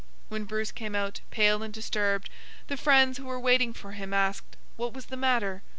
When Bruce came out, pale and disturbed, the friends who were waiting for him asked what was the matter?